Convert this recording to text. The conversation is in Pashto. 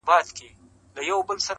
زندګي هم يو تجربه وه ښه دى تېره سوله،